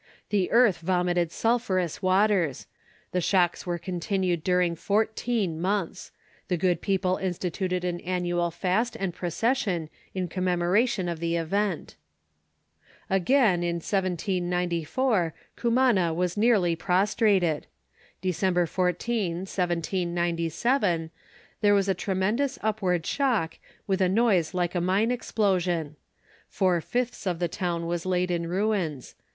The earth vomited sulphurous waters. The shocks were continued during fourteen months. The good people instituted an annual fast and procession in commemoration of the event. Again, in 1794, Cumana was nearly prostrated. December 14, 1797, there was a tremendous, upward shock, with a noise like a mine explosion. Four fifths of the town was laid in ruins.